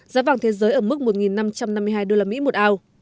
giá vàng thế giới ở mức một năm trăm năm mươi hai usd một ao